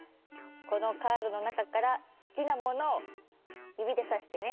このカードのなかからすきなものをゆびでさしてね。